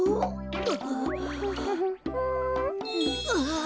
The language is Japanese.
ああ。